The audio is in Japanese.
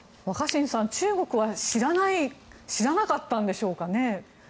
若新さん、中国は知らなかったんでしょうかね。